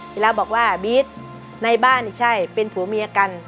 กีฬาบอกว่าบี๊ดในบ้านนี่ใช่เป็นผัวเมียกัน